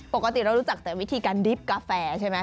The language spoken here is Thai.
ปกติเรารู้จักแต่วิธีการริบกาแฟใช่ไหม